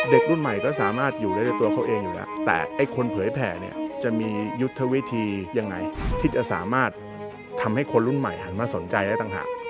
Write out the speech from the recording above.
รุ่นใหม่ก็สามารถอยู่ได้ในตัวเขาเองอยู่แล้วแต่ไอ้คนเผยแผ่เนี่ยจะมียุทธวิธียังไงที่จะสามารถทำให้คนรุ่นใหม่หันมาสนใจได้ต่างหาก